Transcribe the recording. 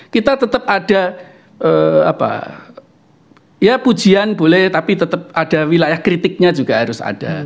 kita tetap ada ya pujian boleh tapi tetap ada wilayah kritiknya juga harus ada